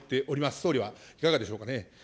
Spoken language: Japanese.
総理はいかがでしょうかね。